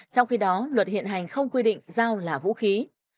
trong khi đó luật hiện hành không quy định dao là vũ khí